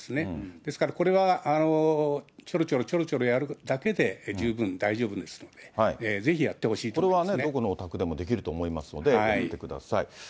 ですからこれは、ちょろちょろちょろちょろやるだけで十分大丈夫ですので、これはどこのお宅でもできると思いますので、やってみてください。